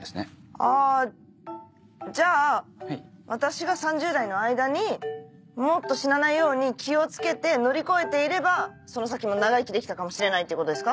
あぁじゃあ私が３０代の間にもっと死なないように気を付けて乗り越えていればその先も長生きできたかもしれないっていうことですか？